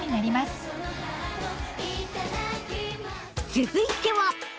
続いては。